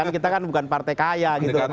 kita kan bukan partai kaya gitu mas pram